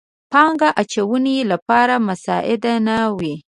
پانګه اچونې لپاره مساعد نه وي.